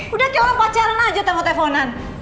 udah kayak orang pacaran aja telfon telfonan